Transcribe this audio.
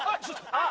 あっ！